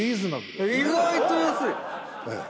意外と安い。